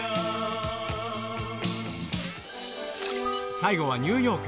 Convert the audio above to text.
最後はニューヨーク。